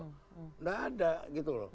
tidak ada gitu loh